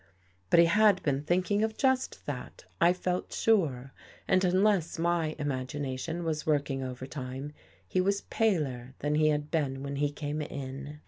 But he had been thinking of just that, I felt sure. And unless my imagination was working over time, he was paler than he had been when he came in.